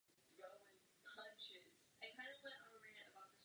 Hovoří se o pandemiích a bioterorismu.